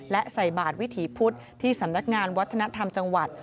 และใส่บาทวิถีพุทธที่สำนักงานวัฒนธรรมจังหวัด